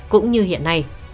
cũng như hiện nay